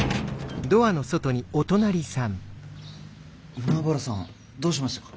海原さんどうしましたか？